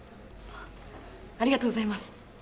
ありがとうございます。